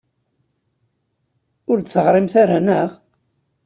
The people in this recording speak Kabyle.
Ur d-teɣrimt ara, naɣ?